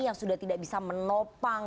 yang sudah tidak bisa menopang